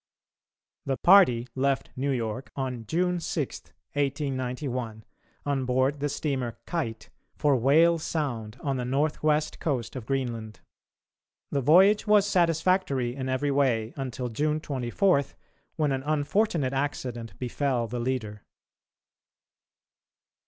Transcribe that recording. The party left New York on June 6, 1891, on board the steamer Kite, for Whale Sound, on the north west coast of Greenland. The voyage was satisfactory in every way until June 24, when an unfortunate accident befell the leader.